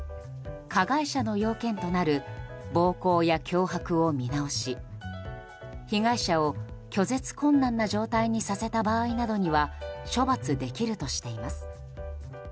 加害者の要件となる暴行や脅迫を見直し被害者を拒絶困難な状態にさせた場合には処罰できるとしています。